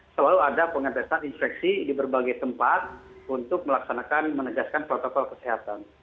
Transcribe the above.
selalu ada pengetesan inspeksi di berbagai tempat untuk melaksanakan menegaskan protokol kesehatan